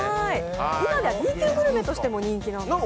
今ではＢ級グルメとしても人気なんですよ。